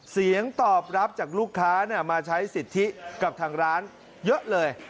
เสียงตอบรับจากลูกค้ามาใช้สิทธิกับทางร้านเยอะเลย